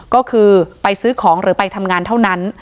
ก็คือไปซื้อของหรือไปทำงานเท่านั้น